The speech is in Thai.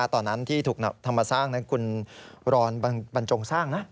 ตอนนั้นที่ถูกทำมาสร้างคุณรอนบรรจงสร้างนะ